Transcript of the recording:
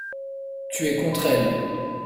Tu es contre elles.